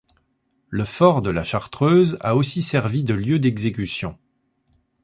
Le fort de la Chartreuse a aussi servi de lieu d'exécutions.